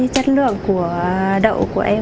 chất lượng của đậu của em